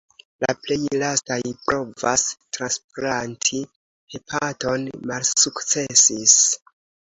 La plej lastaj provoj transplanti hepaton malsukcesis.